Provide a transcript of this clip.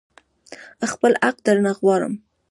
خپل حق درنه غواړم.